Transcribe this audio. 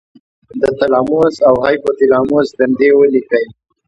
د تلاموس او هایپو تلاموس دندې ولیکئ.